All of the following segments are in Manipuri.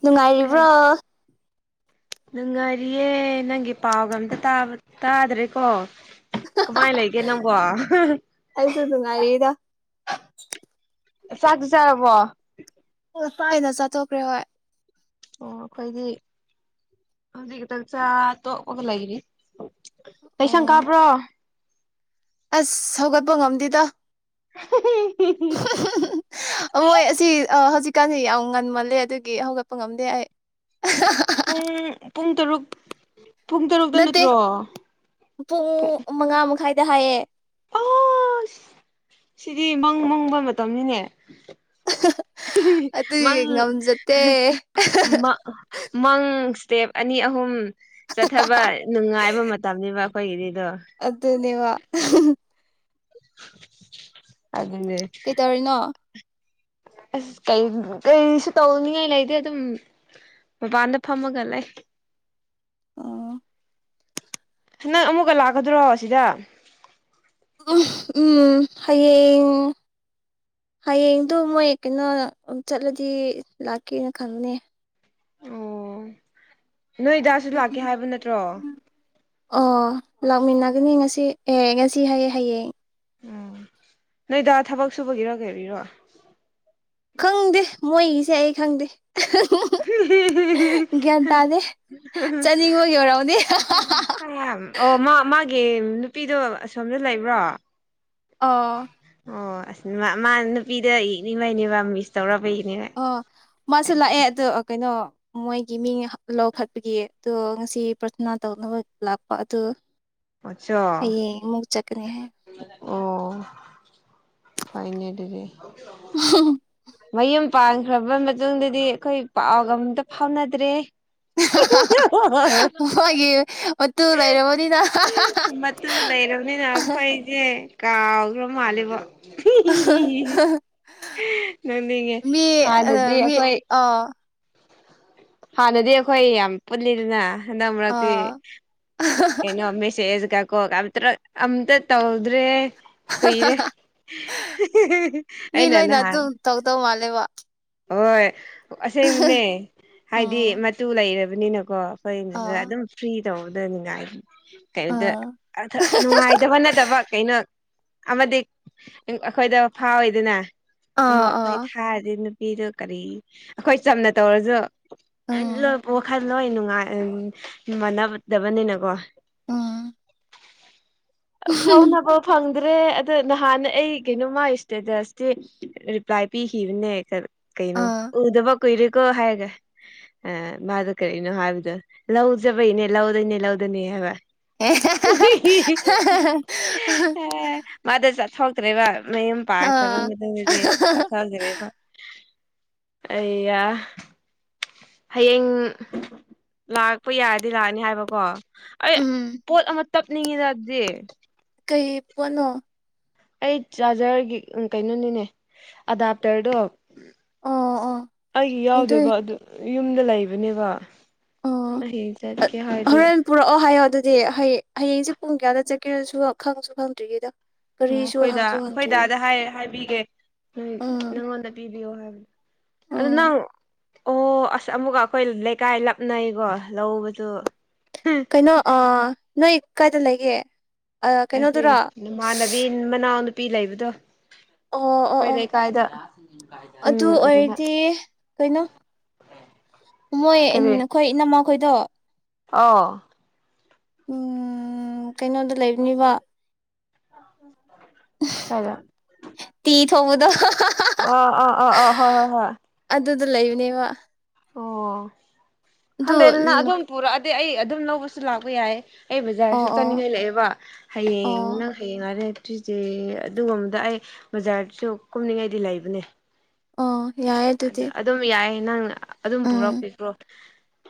ꯅꯨꯡꯉꯥꯏꯔꯤꯕ꯭ꯔꯣ ꯅꯨꯡꯉꯥꯏꯔꯤꯌꯦ ꯅꯪꯒꯤ ꯄꯥꯎꯒ ꯑꯝꯇ ꯇꯥꯗ꯭ꯔꯦꯀꯣ ꯀꯃꯥꯏ ꯂꯩꯒꯦ ꯅꯪꯕꯣ [unintelligible] ꯑꯩꯁꯨ ꯅꯨꯡꯉꯥꯏꯔꯤꯗ꯫ ꯆꯥꯛꯇꯤ ꯆꯥꯔꯕꯣ ꯑꯣ ꯉꯥꯁꯥꯏꯅ ꯆꯥꯊꯣꯛꯈ꯭ꯔꯦ ꯍꯣꯏ ꯑꯣ ꯑꯩꯈꯣꯏꯗꯤ ꯍꯧꯖꯤꯛ ꯆꯥ ꯇꯣꯛꯄꯒ ꯂꯩꯔꯤ ꯀꯩꯁꯪ ꯑꯣ ꯀꯥꯕ꯭ꯔꯣ ꯑꯁ ꯍꯧꯒꯠꯄ ꯉꯝꯗꯦꯗ [unintelligible] [unintelligible] ꯃꯣꯏ ꯑꯁꯤ ꯍꯧꯖꯤꯛꯀꯥꯟꯗꯤ ꯌꯥꯝ ꯉꯟꯃꯜꯂꯦ ꯑꯗꯨꯒꯤ ꯍꯧꯒꯠꯄ ꯉꯝꯗꯦ ꯑꯩ ꯄꯨꯡ ꯄꯨꯡ ꯇꯔꯨꯛ ꯄꯨꯡ ꯇꯔꯨꯛꯇ ꯅꯠꯇꯦ ꯅꯠꯇ꯭ꯔꯣ ꯄꯨꯨꯡ ꯃꯉꯥ ꯃꯈꯥꯏꯗ ꯍꯥꯏꯌꯦ ꯑꯁ ꯁꯤꯗꯤ ꯃꯪ ꯃꯪꯕ ꯃꯇꯝꯅꯤꯅꯦ ꯑꯗꯨꯒꯤ ꯃꯪ ꯉꯝꯖꯗꯦ ꯃꯪ ꯃꯪ ꯏꯁꯇꯦꯞ ꯑꯅꯤ ꯑꯍꯨꯝ ꯆꯠꯊꯕ ꯅꯨꯡꯉꯥꯏꯕ ꯃꯇꯝꯅꯤꯕ ꯑꯩꯈꯣꯏꯒꯤꯗꯤꯗꯣ ꯑꯗꯨꯅꯦꯕ [unintelligible] ꯑꯗꯨꯅꯦ ꯀꯩꯇꯧꯔꯤꯅꯣ ꯑꯁ ꯀꯩꯁꯨ ꯇꯧꯅꯤꯡꯉꯥꯏ ꯂꯩꯇꯦ ꯑꯗꯨꯝ꯫ ꯃꯄꯥꯟꯗ ꯐꯝꯃꯒ ꯂꯩ ꯑꯣ ꯅꯪ ꯑꯃꯨꯛꯀ ꯂꯥꯛꯀꯗ꯭ꯔꯣ ꯁꯤꯗ ꯎꯝ ꯎꯝ ꯍꯌꯦꯡ ꯍꯌꯦꯡꯗꯨꯣꯃꯣꯏ ꯀꯩꯅꯣ ꯆꯠꯂꯗꯤ ꯂꯥꯛꯀꯦꯅ ꯈꯪꯕꯅꯦ ꯅꯣꯏ ꯗꯥꯁꯨ ꯂꯥꯛꯀꯦ ꯍꯥꯏꯕ ꯎꯝ ꯅꯠꯇ꯭ꯔꯣ ꯑꯣ ꯂꯥꯛꯃꯤꯟꯅꯒꯅꯤ ꯉꯁꯤ ꯑꯦ ꯉꯁꯤ ꯍꯌꯦꯡ ꯑꯣ ꯅꯣꯏ ꯗꯥ ꯊꯕꯛ ꯁꯨꯕꯒꯤꯔ ꯀꯩꯒꯤꯔꯣ ꯈꯪꯗꯦ ꯃꯣꯏꯒꯤꯁꯦ ꯑꯩ ꯈꯪꯗꯦ ꯎꯝ ꯒꯌ꯭ꯥꯟ ꯇꯥꯗꯦ ꯆꯠꯅꯤꯡꯕꯒꯤ ꯑꯣꯏꯔꯝꯅꯤ ꯑꯣ ꯃ ꯃꯥ ꯒꯤ ꯅꯨꯄꯤꯗꯣ ꯑꯁꯣꯝꯗ ꯂꯩꯕ꯭ꯔꯣ ꯑꯣ ꯑꯣ ꯑꯁ ꯃꯥ ꯅꯨꯄꯤꯗ ꯌꯦꯡꯅꯤꯡꯕꯩꯅꯦꯕ ꯃꯤꯁ ꯇꯧꯔꯛ ꯄꯒꯤꯅꯤꯕ ꯑ ꯃꯥꯁꯨ ꯂꯥꯛꯑꯦ ꯑꯗꯨ ꯀꯩꯅꯣ ꯃꯣꯏꯒꯤ ꯃꯤ ꯂꯧꯈꯠꯄꯒꯤ ꯑꯗꯣ ꯉꯁꯤ ꯄ꯭ꯔꯊꯅꯥ ꯇꯧꯅꯕ ꯂꯥꯛꯄ ꯑꯗꯨ ꯑꯆꯥ ꯍꯌꯦꯡ ꯑꯃꯨꯛ ꯆꯠꯀꯅꯤ ꯍꯥꯏ ꯑꯣ ꯐꯩꯅ ꯑꯗꯨꯗꯤ ꯃꯌꯨꯝ ꯄꯥꯟꯈ꯭ꯔꯕ ꯃꯇꯨꯡꯗꯗꯤ ꯑꯩꯈꯣꯏ ꯄꯥꯎꯒ ꯑꯝꯇ ꯐꯥꯎꯅꯗ꯭ꯔꯦ [unintelligible] ꯈꯣꯏꯒꯤ ꯃꯇꯨ ꯂꯩꯔꯕꯅꯤꯅ ꯃꯇꯨ ꯂꯩꯔꯕꯅꯤꯅ ꯑꯩꯈꯣꯏꯁꯦ ꯀꯥꯎꯈ꯭ꯔ ꯃꯥꯜꯂꯤꯕꯣ ꯅꯣꯛꯅꯤꯡꯉꯦ ꯃꯤ ꯍꯥꯟꯅꯗꯤ ꯃꯤ ꯑꯩꯈꯣꯏ ꯑꯥ ꯍꯥꯟꯅꯗꯤ ꯑꯩꯈꯣꯏ ꯌꯥꯝ ꯄꯨꯜꯂꯤꯗꯅ ꯍꯟꯗꯛ ꯃꯔꯛꯇꯤ ꯑꯥ ꯀꯩꯅꯣ ꯃꯦꯁꯦꯖ ꯀ ꯀꯣꯜ ꯒ ꯇꯔꯛ ꯑꯝꯇ ꯇꯧꯗ꯭ꯔꯦ ꯀꯨꯏꯔꯦ ꯃꯤ ꯑꯩꯅ ꯂꯣꯏꯅ ꯅꯍꯥꯟ ꯑꯗꯨꯝ ꯇꯧꯗꯧ ꯃꯥꯂꯦꯕ ꯍꯣꯏ ꯑꯁꯦꯡꯕꯅꯦ ꯍꯥꯏꯕꯗꯤ ꯎꯝ ꯃꯇꯨ ꯂꯩꯔꯕꯅꯤꯅꯀꯣ ꯍꯣꯏꯅꯦ ꯑꯥ ꯑꯗꯨꯝ ꯐ꯭ꯔꯤ ꯇꯧꯗꯣꯏꯅꯤꯉꯥꯏ ꯀꯩꯅꯣꯗ ꯑꯥ ꯅꯨꯡꯉꯥꯏꯇꯕ ꯅꯠꯇꯕ ꯀꯩꯅꯣ ꯑꯃꯗꯤ ꯑꯩꯈꯣꯏꯗ ꯐꯥꯎꯋꯤꯗꯅ ꯑꯃꯨꯛ ꯑꯥ ꯑꯥ ꯑꯩꯈꯣꯏ ꯊꯥꯔꯗꯤ ꯅꯨꯄꯤꯗꯨ ꯀꯔꯤ ꯑꯩꯈꯣꯏ ꯆꯝꯅ ꯇꯧꯔꯁꯨ ꯎꯝ [unintelligible] ꯋꯥꯈꯜ ꯂꯣꯏ ꯅꯨꯡꯉꯥꯏ ꯃꯥꯟꯅꯗꯕꯅꯤꯅꯀꯣ ꯎꯝ ꯐꯥꯎꯅꯕ ꯐꯪ ꯗ꯭ꯔꯦ ꯑꯗ ꯅꯍꯥꯟ ꯑꯩ ꯀꯩꯅꯣꯃ ꯏꯁꯇꯦꯇꯁꯇꯤ ꯔꯤꯄ꯭ꯂꯥꯏ ꯄꯤꯈꯤꯕꯅꯦ ꯈ ꯀꯩꯅꯣ ꯑꯥ ꯎꯗꯕ ꯀꯨꯏꯔꯦꯀꯣ ꯍꯥꯏꯅ ꯑ ꯃꯥꯗꯣ ꯀꯔꯤꯅꯣ ꯍꯥꯏꯕꯗꯣ ꯂꯧ ꯆꯠꯕꯩꯅꯦ ꯂꯧꯗꯅꯦ ꯂꯧꯗꯅꯦ ꯍꯥꯏꯕ ꯑꯦ [unintelligible] ꯃꯥꯗꯣ ꯆꯠꯊꯣꯛꯇ꯭ꯔꯦꯕ ꯃꯌꯨꯝ ꯄꯥꯡꯈ꯭ꯔꯕ ꯑꯥ ꯃꯇꯨꯡꯗꯗꯤ ꯆꯠꯊꯣꯛꯇꯔꯦꯕ ꯑꯌꯥ ꯍꯌꯦꯡ ꯂꯥꯛꯄ ꯌꯥꯔꯗꯤ ꯂꯥꯛꯑꯅꯤ ꯍꯥꯏꯕꯀꯣ ꯑꯩ ꯎꯝ ꯄꯣꯠ ꯑꯃ ꯇꯞꯅꯤꯡꯉꯤꯗ ꯑꯗꯨꯗꯤ ꯀꯩ ꯄꯣꯠꯅꯣ ꯑꯩ ꯆꯥꯔꯖꯔꯒꯤ ꯀꯩꯅꯣꯅꯤꯅꯦ ꯑꯗꯥꯞꯇꯔꯗꯣ [unintelligible] ꯑꯩꯒꯤ ꯑꯗꯨꯏ ꯌꯥꯎꯗꯦꯕ ꯑꯗꯨ ꯌꯨꯝꯗ ꯂꯩꯕꯅꯦꯕ ꯑꯣ ꯍꯌꯦꯡ ꯆꯠꯀꯦ ꯍꯥꯏꯗꯤ ꯍꯣꯔꯦꯟ ꯄꯨꯔꯛꯑꯣ ꯍꯥꯏꯌꯣ ꯑꯗꯨꯗꯤ ꯍꯌꯦꯡ ꯍꯌꯦꯡꯁꯦ ꯄꯨꯡ ꯀꯌꯥꯗ ꯆꯠꯀꯦꯁꯨ ꯈꯪꯁꯨ ꯈꯪꯗ꯭ꯔꯤꯉꯩꯗ ꯑꯣ ꯑꯩꯈꯣꯏꯗ ꯑꯩꯈꯣꯏꯗꯥꯗ ꯍꯥꯏ ꯍꯥꯏꯕꯤꯒꯦ ꯎꯝ ꯅꯪꯉꯣꯟꯗ ꯄꯤꯕꯤꯌꯣ ꯍꯥꯏꯌꯣ ꯑꯗꯨ ꯎꯝ ꯅꯪ ꯑꯣ ꯑꯁ ꯑꯃꯨꯛꯀ ꯑꯩꯈꯣꯏ ꯂꯩꯀꯥꯏ ꯂꯞꯅꯩꯀꯣ ꯂꯧꯕꯗꯨ ꯀꯩꯅꯣ ꯑ ꯅꯣꯏ ꯀꯥꯏꯗ ꯂꯩꯒꯦ ꯑ ꯀꯩꯅꯣꯗꯨꯔꯣ ꯕꯤꯟ ꯃꯅꯥꯎ ꯅꯨꯄꯤ ꯂꯩꯕꯗꯣ ꯑꯣ ꯑꯣ ꯈꯣꯏ ꯑꯣ ꯂꯩꯀꯥꯏꯗ ꯑꯗꯨ ꯎꯝ ꯑꯗꯨꯗ꯫ ꯑꯣꯏꯔꯗꯤ ꯀꯩꯅꯣ ꯃꯣꯏ ꯏꯟ ꯀꯔꯤ ꯑꯩꯈꯣꯏ ꯏꯅꯝꯃꯈꯣꯏꯗꯣ꯫ ꯑꯣ ꯎꯝ ꯀꯩꯅꯣꯗ ꯂꯩꯕꯅꯤꯕ [unintelligible] ꯀꯥꯏꯗ ꯇꯤ ꯊꯣꯡꯃꯗꯣ [unintelligible] ꯑꯣ ꯑꯣ ꯑꯣ ꯑꯣ ꯍꯣꯏ ꯍꯣꯏ ꯍꯣꯏ ꯑꯗꯨꯗ ꯂꯩꯕꯅꯦꯕ꯫ ꯑꯣ ꯑꯗꯨ ꯍꯟꯗꯦ ꯑꯗꯨꯅ ꯎꯝ, ꯑꯗꯨꯝ ꯄꯨꯔꯛꯑꯗꯤ ꯑꯩ ꯑꯗꯨꯝ ꯂꯧꯕꯁꯨ ꯂꯥꯛꯄ ꯌꯥꯏꯌꯦ ꯑꯩ ꯑꯣ ꯕꯖꯥꯔꯁꯨ ꯑꯣ ꯆꯠꯅꯤꯡꯉꯥꯏ ꯂꯩꯑꯦꯕ꯫ ꯑꯣ ꯍꯌꯦꯡ ꯅꯪ ꯍꯌꯦꯡꯉꯔꯦ ꯇꯨꯏꯁ꯭ꯗꯦ ꯑꯗꯨꯒꯨꯝꯕꯗ ꯑꯩ ꯕꯖꯥꯔꯁꯨ ꯀꯨꯝꯅꯤꯡꯉꯥꯏꯗꯤ ꯂꯩꯥꯕꯅꯦ ꯑꯣ ꯌꯥꯏ ꯑꯗꯨꯗꯤ꯫ ꯑꯗꯨꯝ ꯌꯥꯏꯌꯦ ꯅꯪꯅ ꯑꯗꯨꯝ ꯎꯝ ꯄꯨꯔꯛꯄꯤꯈ꯭ꯔꯣ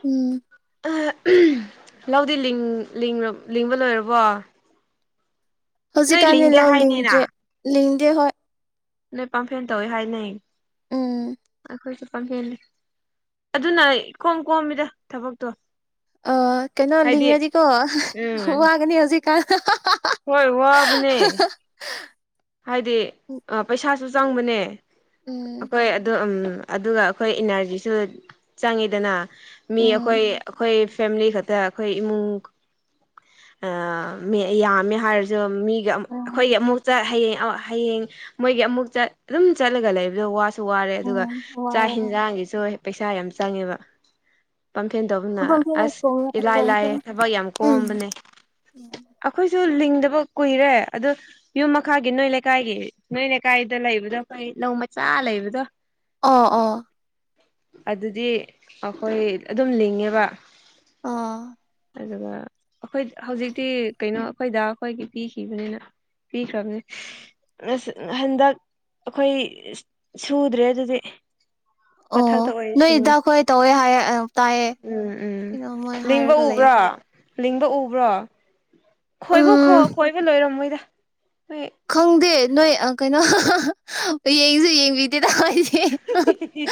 ꯎꯝ [unintelligible] ꯂꯧꯗꯤ ꯂꯤꯡ ꯂꯤꯡꯔꯝ ꯂꯤꯡꯕ ꯂꯣꯏꯔꯕꯣ ꯅꯣꯏ ꯍꯧꯖꯤꯛꯀꯥꯟꯗꯤ ꯂꯤꯡꯗꯦ ꯂꯧ ꯍꯥꯏꯅꯤꯅ ꯂꯤꯡꯗ꯭ꯔꯦ ꯂꯤꯡꯗꯦ ꯍꯣꯏ꯫ ꯅꯣꯏ ꯄꯥꯝꯐꯦꯟ ꯇꯧꯋꯦ ꯍꯥꯏꯅꯩ꯫ ꯎꯝ ꯑꯩꯈꯣꯏꯁꯨ ꯄꯥꯝꯐꯦꯟ ꯑꯗꯨꯅ ꯏꯀꯣꯝ ꯀꯣꯝꯃꯤꯗ ꯊꯕꯛꯇꯣ꯫ ꯑ ꯀꯩꯅꯣ ꯍꯥꯏꯗꯤ ꯂꯤꯡꯔꯗꯤ ꯀꯣ [unintelligible] ꯎꯝ ꯋꯥꯒꯅꯤ ꯍꯧꯖꯤꯛ ꯀꯥꯟ [unintelligible] ꯍꯣꯏ ꯋꯥꯕꯅꯦ꯫ ꯍꯥꯏꯗꯤ ꯑ ꯄꯩꯁꯥꯁꯨ ꯆꯪꯕꯅꯦ ꯎꯝ ꯑꯩꯈꯣꯏ ꯑꯗꯨ ꯎꯝ ꯑꯗꯨꯒ ꯑꯩꯈꯣꯏ ꯏꯅꯔꯖꯤꯁꯨ ꯆꯪꯉꯤꯗꯅ ꯃꯤ ꯑꯩꯈꯣꯏ ꯎꯝ ꯑꯩꯈꯣꯏ ꯐꯦꯃꯤꯂꯤ ꯈꯛꯇ ꯇ ꯑꯩꯈꯣꯏ ꯏꯃꯨꯡ ꯑ ꯃꯦ ꯌꯥꯝꯃꯦ ꯍꯥꯏꯔꯁꯨ ꯃꯤꯒ ꯑꯝ ꯑꯩꯈꯣꯏꯒꯤ ꯎꯝ ꯑꯃꯨꯛꯇ ꯍꯌꯦꯡ ꯑꯃ ꯍꯌꯦꯡ ꯃꯣꯏꯒꯤ ꯑꯃꯨꯛ ꯆꯠ ꯑꯗꯨꯝ ꯆꯠꯂꯒ ꯂꯩꯕꯗꯣ ꯋꯥꯁ ꯁꯨ ꯋꯥꯔꯦ ꯑꯗꯨꯒ ꯎꯝ ꯆꯥꯛ ꯋꯥꯏꯌꯦ ꯍꯦꯟꯖꯥꯡꯒꯤꯁꯨ ꯄꯩꯁꯥ ꯌꯥꯝ ꯆꯪꯉꯦꯕ꯫ ꯄꯝꯐꯦꯟ ꯇꯧꯕꯅ ꯃꯐꯝ ꯊꯦꯡꯅ ꯑꯁ ꯀꯣꯡꯉ ꯏꯂꯥꯏ ꯀꯣꯡꯈ꯭ꯔꯦ ꯂꯥꯏꯌꯦ ꯊꯕꯛ ꯌꯥꯝ ꯀꯣꯝꯕꯅꯦ꯫ ꯎꯝ ꯑꯈꯣꯏꯁꯨ ꯂꯤꯡꯗꯕ ꯀꯨꯏꯔꯦ ꯑꯗꯨ ꯌꯨꯝ ꯃꯈꯥꯒꯤ ꯅꯣꯏ ꯂꯩꯀꯥꯏꯒꯤ ꯅꯣꯏ ꯂꯩꯀꯥꯏꯗ ꯂꯩꯕꯗꯣ ꯀꯩ ꯂꯧ ꯃꯆꯥ ꯂꯩꯕꯗꯣ꯫ ꯑꯣ ꯑꯣ ꯑꯗꯨꯗꯤ ꯑꯩꯈꯣꯏ ꯑꯗꯨꯝ ꯂꯤꯡꯉꯦꯕ꯫ ꯑꯣ ꯑꯗꯨꯒ ꯑꯩꯈꯣꯏ ꯍꯧꯖꯤꯛꯇꯤ ꯀꯩꯅꯣ ꯑꯩꯈꯣꯏꯗ ꯑꯩꯈꯣꯏꯒꯤ ꯄꯤꯈꯤꯕꯅꯤꯅ ꯄꯤꯈ꯭ꯔꯕꯅꯤ꯫ ꯉꯁ ꯍꯟꯗꯛ ꯑꯈꯣꯏ ꯁꯨꯗ꯭ꯔꯦ ꯑꯗꯨꯗꯤ ꯃꯊꯛꯇ ꯑꯣ ꯑꯣꯏ ꯅꯣꯏ ꯁꯨꯔꯦ ꯏꯗꯥꯈꯣꯏ ꯇꯧꯋꯦ ꯍꯥꯏꯌꯦ ꯑ ꯇꯥꯏꯌꯦ ꯎꯝ ꯎꯝ ꯀꯩꯅꯣ ꯃꯣꯏ ꯂꯤꯡꯕ ꯍꯥꯏꯔꯒ ꯂꯩꯌꯦ ꯎꯕ꯭ꯔꯥ ꯂꯤꯡꯕ ꯎꯕ꯭ꯔꯣ ꯈꯣꯏꯐꯨ ꯎꯝ ꯈꯣꯏꯕ ꯂꯣꯏꯔꯝꯃꯣꯏꯗ ꯍꯨꯏ ꯈꯪꯗꯦ ꯅꯣꯏ ꯑ ꯀꯩꯅꯣ ꯌꯦꯡꯁꯨ ꯌꯦꯡꯕꯤꯗꯦꯇ ꯑꯩꯗꯤ [unintelligible]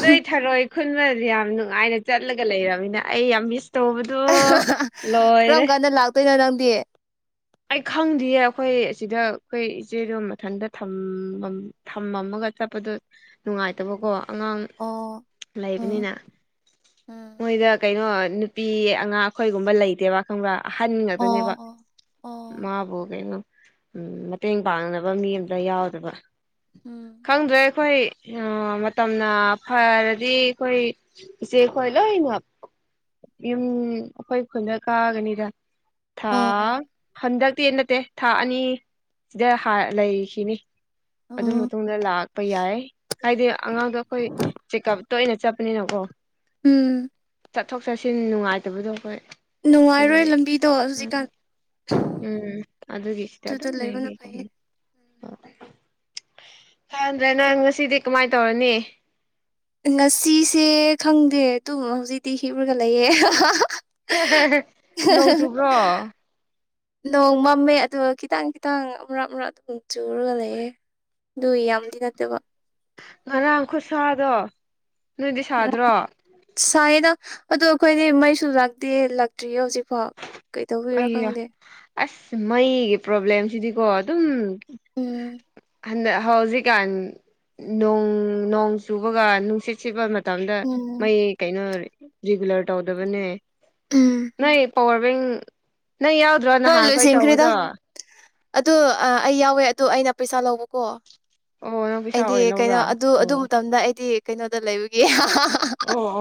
ꯅꯣꯏ ꯊꯔꯣꯏ ꯈꯨꯟꯃꯗꯤ ꯌꯥꯝ ꯅꯨꯡꯉꯥꯏꯅ ꯆꯠꯂꯒ ꯂꯩꯔꯝꯃꯤꯅ ꯑꯩ ꯌꯥꯝ ꯃꯤꯁ ꯇꯧꯕꯗ ꯀꯔꯝ ꯀꯥꯟꯗ ꯂꯥꯛꯇꯣꯏꯅꯣ ꯅꯪꯗꯤ꯫ ꯑꯩ ꯈꯪꯗꯤꯌꯦ ꯑꯈꯣꯏ ꯑꯁꯤꯗ ꯑꯩꯈꯣꯏ ꯏꯆꯦꯗꯣ ꯃꯊꯟꯇ ꯊꯝꯃꯝ ꯊꯝꯃꯝꯃꯒ ꯆꯠꯄꯗꯣ ꯅꯨꯡꯉꯥꯏꯇꯕꯀꯣ ꯑꯉꯥꯡ ꯑꯣ ꯎꯝ ꯂꯩꯕꯅꯤꯅ꯫ ꯑꯣ ꯃꯣꯏꯗ ꯀꯩꯅꯣ ꯅꯨꯄꯤ ꯑꯉꯥꯡ ꯑꯩꯈꯣꯏꯒꯨꯝꯕ ꯂꯩꯇꯦꯕ ꯈꯪꯕ꯭ꯔꯥ ꯑꯍꯟ ꯉꯥꯛꯇꯅꯦꯕ ꯑꯣ ꯃꯥꯕꯨ ꯀꯩꯅꯣ ꯎꯝ ꯃꯇꯦꯡ ꯄꯥꯡꯅꯕ ꯃꯤ ꯑꯝꯇ ꯌꯥꯎꯗꯕ ꯎꯝ ꯈꯪꯗ꯭ꯔꯦ ꯑꯩꯈꯣꯏ ꯑ ꯃꯇꯝꯅ ꯐꯔꯗꯤ ꯑꯩꯈꯣꯏ ꯏꯆꯦ ꯑꯩꯈꯣꯏ ꯂꯣꯏꯅ ꯌꯨꯝ ꯑꯩꯈꯣꯏ ꯈꯨꯟꯗ ꯀꯥꯒꯅꯤꯗ ꯑꯣ ꯊꯥꯑ ꯑꯣ ꯍꯟꯗꯛꯇꯤ ꯅꯠꯇꯦ ꯊꯥ ꯑꯅꯤꯗ ꯍꯔ ꯂꯩꯈꯤꯅꯤ ꯑꯗꯨ ꯑꯣ ꯃꯇꯨꯡꯗ ꯂꯥꯛꯄ ꯌꯥꯏ ꯍꯥꯏꯗꯤ ꯑꯉꯥꯡꯗꯣ ꯑꯩꯈꯣꯏ ꯆꯦꯛꯀꯞ ꯇꯣꯏꯅ ꯆꯠꯄꯅꯤꯅꯀꯣ ꯎꯝ ꯆꯠꯊꯣꯛ ꯆꯠꯁꯤꯟ ꯅꯨꯡꯉꯥꯏꯇꯕꯗꯣ ꯑꯩꯈꯣꯏ ꯅꯨꯡꯉꯥꯏꯔꯣꯏ ꯑꯗꯨꯒꯤ ꯂꯝꯕꯤꯗꯣ ꯍꯧꯖꯤꯛꯀꯥꯟ ꯎꯝ ꯑꯗꯨꯒꯤ ꯁꯤꯗ ꯑꯗꯨꯗ ꯑꯗꯨꯝ ꯂꯩꯕꯅ ꯂꯩꯒꯦ ꯐꯩꯌꯦ ꯐꯗ꯭ꯔꯦ ꯅꯪ ꯉꯁꯤꯗꯤ ꯀꯃꯥꯏ ꯇꯧꯔꯅꯤ ꯉꯁꯤꯁꯦ ꯈꯪꯗꯦ ꯇꯨꯝ ꯍꯧꯖꯤꯛꯇꯤ ꯍꯤꯔꯨꯒ ꯂꯩꯌꯦ ꯅꯣꯡ ꯆꯨꯕ꯭ꯔꯣ ꯅꯣꯡ ꯃꯝꯃꯦ ꯑꯗꯨꯒ ꯈꯤꯇꯪ ꯈꯤꯇꯪ ꯃꯔꯛ ꯃꯔꯛ ꯑꯗꯨꯝ ꯆꯨꯔꯒ ꯂꯩꯌꯦ ꯑꯗꯨꯨꯏ ꯌꯥꯝꯗꯤ ꯅꯠꯇꯕ ꯉꯔꯥꯡ ꯈꯨꯠꯁꯥꯗꯣ ꯅꯣꯏꯗꯤ ꯁꯥꯗ꯭ꯔꯣ ꯁꯥꯏꯌꯦꯗ ꯑꯗꯣ ꯑꯩꯈꯣꯏꯗꯤ ꯃꯩꯁꯨ ꯂꯥꯛꯇꯦ ꯂꯛ ꯗ꯭ꯔꯤꯑꯦ ꯍꯧꯖꯤꯛꯐꯥꯎ ꯀꯩꯗꯧꯕꯤꯔꯥ ꯑꯩꯌꯥ ꯈꯪꯗꯦ ꯑꯁ ꯃꯩꯒꯤ ꯄ꯭ꯔꯣꯕ꯭ꯂꯦꯝꯁꯤꯗꯤꯀꯣ ꯑꯗꯨꯝ ꯎꯝ ꯍꯟꯗꯛ ꯍꯧꯖꯤꯛꯀꯥꯟ ꯅꯣꯡ ꯅꯣꯡ ꯆꯨꯕꯒ ꯅꯨꯡꯁꯤꯠ ꯁꯤꯕ ꯃ ꯇꯝꯗ ꯎꯝ ꯃꯩ ꯀꯩꯅꯣ ꯔꯤꯒꯨꯂꯔ ꯇꯧꯗꯕꯅꯦ ꯎꯝ ꯅꯣꯏ ꯄꯋꯥꯔ ꯕꯦꯡ ꯅꯪ ꯌꯥꯎ ꯍꯣꯏ ꯂꯣꯏꯁꯤꯟꯈ꯭ꯔꯦꯗ ꯑꯗꯨ ꯑꯩ ꯌꯥꯎꯋꯦ ꯑꯗꯨ ꯑꯩꯅ ꯄꯩꯁꯥ ꯂꯧꯕꯀꯣ ꯑꯣ ꯅꯪ ꯄꯩꯁꯥ ꯑꯩꯗꯤ ꯑꯣꯏꯅ ꯀꯩꯅꯣ ꯂꯧꯕ꯭ꯔꯥ ꯑꯗꯨ ꯑꯗꯨ ꯑꯣ ꯃꯇꯝꯗ ꯑꯩꯗꯤ ꯀꯩꯅꯣꯗ ꯂꯩꯕꯒꯤ ꯑꯣ ꯍꯣ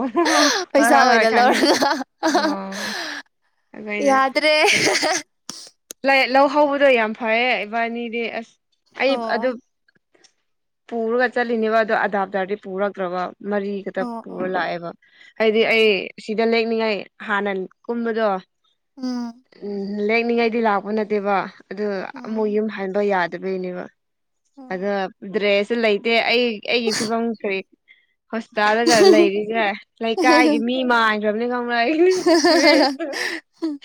ꯍꯣꯏ ꯄꯩꯁꯥ ꯍꯣꯏ ꯑꯣꯏꯅ ꯈꯉ ꯂꯧꯔꯒ ꯑ ꯑꯩꯈꯣꯏꯅ ꯇꯦ ꯐꯩꯌꯦ ꯂꯧ ꯍꯧꯕꯗꯣ ꯌꯥꯝ ꯐꯌꯦ ꯏꯕꯥꯅꯤꯗꯤ ꯑꯁ ꯑꯩ ꯑꯗꯨ ꯑꯣ ꯄꯨꯔꯒ ꯆꯠꯂꯤꯅꯦꯕ ꯑꯗꯣ ꯑꯗꯥꯥꯞꯗꯥꯔꯗꯤ ꯄꯨꯔꯛꯇ꯭ꯔꯕ ꯃꯔꯤ ꯑꯣ ꯄꯨꯔ ꯑꯣ ꯂꯥꯛꯑꯦꯕ ꯍꯥꯏꯗꯤ ꯑꯩ ꯑꯣ ꯁꯤꯗ ꯂꯦꯛꯅꯤꯡꯉꯥꯏ ꯍꯥꯟꯅ ꯀꯨꯝꯕꯗꯣ ꯎꯝ ꯎꯝ ꯂꯦꯛꯅꯤꯉꯩꯗꯤ ꯂꯥꯛꯄ ꯅꯠꯇꯦꯕ ꯑꯗ ꯑꯃꯨꯛ ꯎꯝ ꯌꯨꯝ ꯍꯥꯟꯕ ꯌꯥꯗꯕꯩꯅꯦꯕ ꯑꯗ ꯎꯝ ꯗ꯭ꯔꯦꯁꯁꯨ ꯂꯩꯇꯦ ꯑꯩ ꯑꯩꯒꯤ ꯐꯤꯕꯝ ꯀꯔꯤ ꯍꯣꯁꯄꯤꯇꯥꯜꯗ ꯈꯔ ꯂꯩꯔꯤꯁꯦ ꯂꯩꯀꯥꯏꯒꯤ ꯃꯤ ꯃꯥꯟ ꯔꯝꯅꯤ ꯈꯪꯕꯔꯥ ꯑꯩ [unintelligible]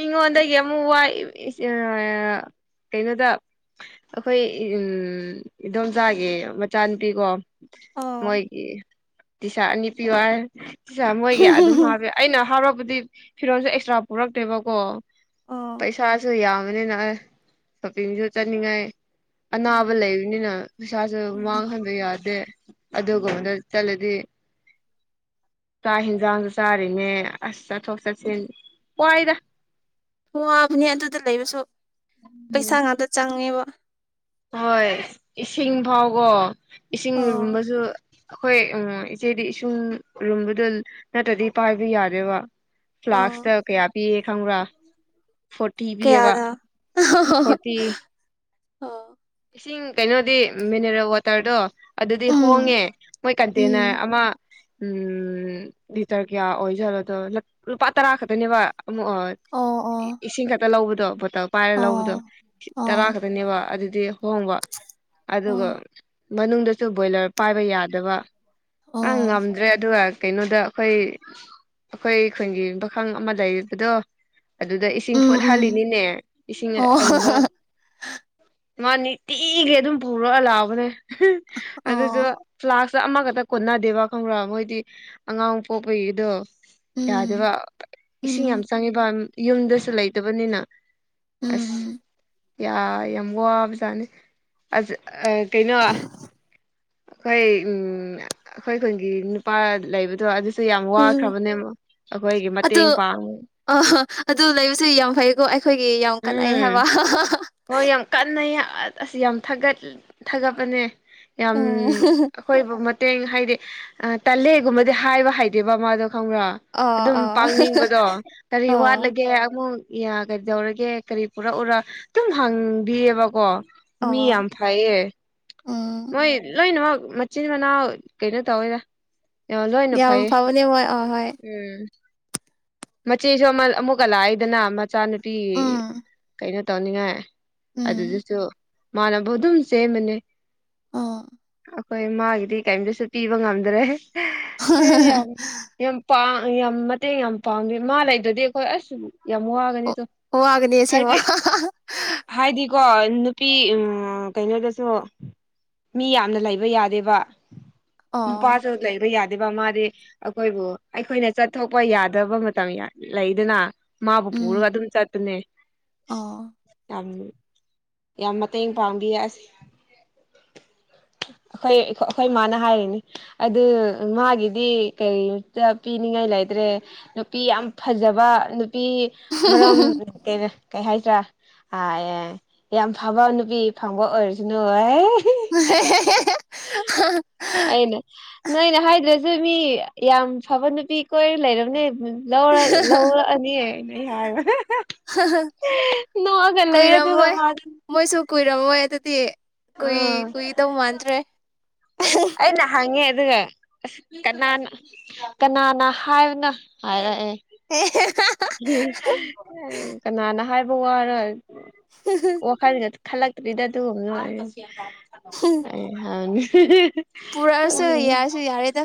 ꯃꯤꯉꯣꯟꯗꯒꯤ ꯑꯃꯨꯛ ꯋꯥꯏ ꯀꯩꯅꯣꯗ ꯑꯩꯈꯣꯏ ꯏꯗꯣꯝꯆꯥꯒꯤ ꯃꯆꯥꯅꯨꯄꯤꯀꯣ ꯑꯣ ꯃꯣꯏꯒꯤ ꯇꯤꯁꯥ ꯑꯅꯤ ꯄꯤꯌꯨ ꯍꯥꯢ ꯇꯤꯁ ꯃꯣꯏꯒꯤ ꯑꯗꯨꯝ ꯍꯥꯞ ꯑꯩꯅ ꯍꯔꯛꯄꯗꯤ ꯐꯤꯔꯣꯜꯁꯦ ꯑꯦꯛꯁꯇ꯭ꯔꯥ ꯄꯨꯔꯛꯇꯦꯕꯀꯣ ꯑꯣ ꯄꯩꯁꯥꯁꯨ ꯌꯥꯝꯕꯅꯤꯅ ꯑꯩ ꯁꯣꯄꯤꯡꯁꯨ ꯆꯠꯅꯤꯡꯉꯥꯏ ꯑꯅꯥꯕ ꯎꯝ ꯂꯩꯕꯅꯤꯅ ꯄꯩꯁꯥꯁꯨ ꯎꯝ ꯃꯥꯡꯍꯟꯕ ꯌꯥꯗꯦ ꯎꯝ ꯑꯗꯨꯒꯨꯕꯗ ꯆꯠꯂꯗꯤ ꯆꯥꯛ ꯍꯦꯟꯖꯥꯡꯖꯨ ꯆꯥꯔꯤꯅꯦ ꯑꯁ ꯆꯠꯊꯣꯛ ꯆꯠꯁꯤꯟ ꯋꯥꯏꯗ ꯋꯥꯕꯅꯦ ꯑꯗꯨꯗ ꯂꯩꯕꯁꯨ ꯎꯝ ꯄꯩꯁꯥ ꯉꯥꯛꯇ ꯆꯪꯉꯦꯕ ꯍꯣꯏ ꯏꯁꯤꯡ ꯐꯥꯎꯀꯣ ꯏꯁꯤꯡ ꯑꯣ ꯂꯨꯝꯕꯁꯨ ꯑꯩꯈꯣꯏ ꯎꯝ ꯏꯆꯦꯗꯤ ꯏꯁꯨꯡ ꯂꯨꯝꯕꯗꯨ ꯅꯠꯇ꯭ꯔꯗꯤ ꯄꯥꯏꯕ ꯌꯥꯗꯦꯕ ꯑꯣ ꯐ꯭ꯂꯥꯛꯁꯇ ꯀꯌꯥ ꯄꯤꯌꯦ ꯈꯪꯕ꯭ꯔꯥ ꯐꯣꯔꯇꯤ ꯄꯤꯌꯦꯕ ꯀꯌꯥꯅꯣ ꯐꯣꯔꯇꯤ ꯑꯣ ꯏꯁꯤꯡ ꯀꯩꯅꯣꯗꯤ ꯃꯤꯟꯅꯔꯦꯜ ꯋꯥꯇ꯭ꯔꯗꯣ ꯑꯗꯨꯗꯤ ꯎꯝ ꯍꯣꯡꯉꯦ ꯃꯣꯏ ꯀꯟꯇꯦꯅꯔ ꯎꯝ ꯑꯃ ꯎꯝ ꯂꯤꯇꯔ ꯀꯌꯥ ꯑꯣꯏꯖꯠꯅꯣꯗꯣ ꯂꯨꯄꯥ ꯇꯔꯥ ꯈꯛꯇꯅꯦꯕ ꯑꯃꯨꯛ ꯑꯥ ꯑꯣ ꯑꯣ ꯏꯁꯤꯡ ꯈꯛꯇ ꯂꯧꯕꯗꯣ ꯕꯣꯇꯜ ꯄꯥꯏꯔ ꯂꯧꯕ ꯑꯗꯣ ꯑꯣ ꯇꯔꯥ ꯑꯣ ꯈꯛꯇꯅꯦꯕ ꯑꯗꯨꯗꯤ ꯍꯣꯡꯕ ꯑꯣ ꯑꯗꯨꯒ ꯃꯅꯨꯡꯗꯁꯨ ꯕꯣꯏꯂꯔ ꯄꯥꯏꯕ ꯌꯥꯗꯕ ꯑꯥ ꯉꯝꯗ꯭ꯔꯦ ꯑꯗꯨꯒ ꯀꯩꯅꯣꯗ ꯑꯩꯈꯣꯏ ꯑꯩꯈꯣꯏ ꯈꯨꯟꯒꯤ ꯄꯥꯈꯪ ꯑꯃ ꯂꯩꯕꯗꯣ ꯑꯗꯨꯗ ꯏꯁꯤꯡ ꯐꯨꯠꯍꯜꯂꯤꯅꯤꯅꯦ ꯏꯁꯤꯡ ꯑꯔꯨꯝꯕ ꯃꯥ ꯅꯤꯇꯤꯒꯤ ꯑꯗꯨꯝ ꯐꯧꯔꯛꯑ ꯂꯥꯛꯑꯕꯅꯦ ꯑꯗꯨꯖꯨ ꯐ꯭ꯂꯥꯛꯁ ꯑꯃꯒꯗ ꯀꯣꯟꯅꯗꯦꯕ ꯈꯪꯕ꯭ꯔꯥ ꯃꯣꯏꯗꯤ ꯑꯉꯥꯡ ꯄꯣꯛꯄꯒꯤꯗꯣ ꯌꯥꯗꯦꯕ ꯏꯁꯤꯡ ꯌꯥꯝ ꯆꯪꯉꯦꯕ ꯌꯨꯝꯗꯁꯨ ꯂꯩꯇꯕꯅꯤꯅ ꯑꯁ ꯌꯥ ꯌꯥꯝ ꯋꯥꯕꯖꯥꯠꯅꯤ ꯑꯁ ꯑꯥ ꯀꯩꯅꯣ ꯑꯩꯈꯣꯏ ꯎꯝ ꯑꯩꯈꯣꯏ ꯈꯨꯟꯒꯤ ꯅꯨꯄꯥ ꯂꯩꯕꯗꯣ ꯑꯗꯨ ꯁꯨ ꯌꯥꯝ ꯋꯥꯈ꯭ꯔꯕꯅꯦꯕꯣ ꯑꯩꯈꯣꯏꯒꯤ ꯃꯇꯦꯡ ꯄꯥꯡꯕꯒꯤ ꯑꯥ ꯍꯥ ꯑꯗꯨ ꯂꯩꯕꯁꯨ ꯌꯥꯝ ꯐꯩꯀꯣ ꯑꯩꯈꯣꯏꯒꯤ ꯌꯥꯝ ꯀꯥꯟꯅꯩ ꯎꯝ ꯍꯥꯏꯕ ꯍꯣꯏ ꯌꯥꯝ ꯀꯟꯅꯩ ꯑꯥ ꯑꯁ ꯌꯥꯝ ꯊꯥꯒꯠ ꯊꯥꯒꯠꯄꯅꯦ ꯌꯥꯝ ꯑꯩꯈꯣꯏꯕꯨ ꯃꯇꯦꯡ ꯍꯥꯏꯗꯤ ꯇꯜꯂꯦꯒꯨꯝꯕꯗꯤ ꯍꯥꯏꯕ ꯍꯥꯏꯇꯦꯕ ꯃꯥꯗꯣ ꯈꯪꯕ꯭ꯔꯥ ꯑꯗꯨꯝ ꯄꯥꯡꯅꯤꯡꯕꯗꯣ ꯀꯔꯤ ꯋꯥꯠꯂꯒꯦ ꯑꯃꯨꯛ ꯌꯥꯒꯩꯗꯧꯔꯒꯦ ꯀꯔꯤ ꯄꯨꯔꯛꯎꯔ ꯗꯨꯝ ꯍꯪꯕꯤꯌꯦꯕꯀꯣ ꯃꯤ ꯌꯥꯝ ꯐꯩꯌꯦ ꯃꯣꯏ ꯂꯣꯏꯅꯃꯛ ꯃꯆꯤꯟ ꯃꯅꯥꯎ ꯀꯩꯅꯣ ꯇꯧꯋꯦꯗ ꯌꯥꯝ ꯂꯣꯏꯅ ꯐꯩꯌꯦ ꯎꯝ ꯃꯆꯦꯁꯨ ꯑꯃ ꯑꯃꯨꯛꯀ ꯂꯥꯛꯏꯗꯅ ꯃꯆꯥꯅꯤ ꯅꯨꯄꯤ ꯀꯩꯅꯣ ꯇꯧꯅꯤꯡꯉꯥꯏ ꯑꯗꯨꯗꯁꯨ ꯃꯥꯅꯕꯨ ꯑꯗꯨꯝ ꯆꯦꯟꯕꯅꯦ ꯑꯥ ꯑꯩꯈꯣꯏ ꯃꯥꯒꯤꯗꯤ ꯀꯩꯝꯇꯁꯨ ꯄꯤꯕ ꯉꯝꯗ꯭ꯔꯦ ꯑꯦ ꯌꯥꯝ ꯌꯥꯝ ꯄꯥꯡ ꯌꯥꯝ ꯃꯇꯦꯡ ꯌꯥꯝ ꯄꯥꯡꯕꯤ ꯃꯥ ꯂꯩꯇ꯭ꯔꯥꯗꯤ ꯑꯩꯈꯣꯏ ꯑꯁ ꯌꯥꯝ ꯋꯥꯒꯅꯤꯇꯣ ꯋꯥꯒꯅꯤ ꯑꯁꯦꯡꯕ ꯍꯥꯏꯗꯤꯀꯣ ꯅꯨꯄꯤ ꯎꯝ ꯀꯩꯅꯣꯗꯁꯨ ꯃꯤ ꯌꯥꯝꯅ ꯂꯩꯕ ꯌꯥꯗꯦꯕ ꯑꯣ ꯅꯨꯄꯥꯁꯨ ꯂꯩꯕ ꯌꯥꯗꯦꯕ ꯃꯥꯗꯤ ꯑꯩꯈꯣꯏꯕꯨ ꯑꯩꯈꯣꯏꯅ ꯆꯠꯊꯣꯛꯄ ꯌꯥꯗꯕ ꯃꯇꯝ ꯌꯥꯝ ꯂꯩꯗꯅ ꯃꯥꯕꯨ ꯎꯝ ꯄꯨꯔꯒ ꯑꯗꯨꯝ ꯆꯠꯇꯅꯦ ꯑꯣ ꯌꯥꯝ ꯌꯥꯝ ꯃꯇꯦꯡ ꯄꯥꯡꯕꯤ ꯑꯁ ꯑꯩꯈꯣꯏ ꯑꯩ ꯑꯩꯈꯣꯏ ꯃꯥꯅ ꯍꯥꯏꯔꯤꯅꯤ ꯑꯗꯨ ꯃꯥꯒꯤꯗꯤ ꯀꯔꯤꯇ ꯄꯤꯅꯤꯡꯉꯥꯏ ꯂꯩꯇ꯭ꯔꯦ ꯅꯨꯄꯤ ꯌꯥꯝ ꯐꯖꯕ ꯅꯨꯄꯤ ꯃꯔꯝ ꯀꯩꯕ ꯀꯩ ꯍꯥꯏꯁꯤꯔꯥ ꯑꯥ ꯑꯦ ꯌꯥꯝ ꯐꯕ ꯅꯨꯄꯤ ꯐꯪꯕ ꯑꯣꯏꯔꯁꯅꯨ [unintelligible] ꯑꯩꯅ ꯅꯣꯏꯅ ꯍꯥꯏꯗ꯭ꯔꯁꯨ ꯃꯤ ꯌꯥꯝ ꯐꯕ ꯅꯨꯄꯤ ꯀꯣꯏꯔ ꯂꯩꯔꯕꯅꯦ ꯂꯧꯔꯛ ꯂꯧꯔꯛꯑꯅꯤ ꯑꯩꯅ ꯍꯥꯏꯕ ꯅꯣꯛꯑꯒ ꯂꯩꯔꯦ ꯑꯗꯨꯒ ꯀꯨꯏꯔꯝꯃꯣꯏ ꯃꯥꯗꯤ ꯃꯣꯏꯁꯨ ꯀꯨꯏꯔꯝꯃꯣꯏ ꯑꯗꯨꯗꯤ ꯀꯨꯏ ꯎꯝ ꯀꯨꯏꯗꯧ ꯃꯥꯟꯗ꯭ꯔꯦ ꯑꯩꯅ ꯍꯪꯉꯦ ꯑꯗꯨꯒ ꯑꯁ ꯀꯅꯥꯅ ꯀꯅꯥꯅ ꯍꯥꯏꯕꯅꯣ ꯍꯥꯏꯔꯛꯑꯦ ꯑꯦ ꯀꯅꯥꯅ ꯍꯥꯏꯕ ꯋꯥꯔ [inaudible] ꯋꯥꯈꯜꯒ ꯈꯜꯂꯛꯇ꯭ꯔꯤꯗ ꯑꯗꯨꯒꯨꯝꯅ ꯑꯩ ꯍꯪꯉꯦ ꯄꯨꯔꯛꯑꯁꯨ ꯌꯥꯁꯨ ꯌꯥꯔꯦꯗ